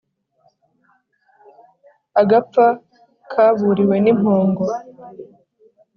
Agapfa kaburiwe ni impongo!